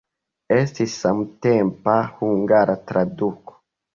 Estis samtempa hungara traduko.